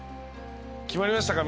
決まりましたか？